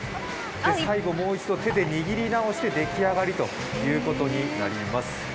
最後もう一度手で握り直して出来上がりということになります。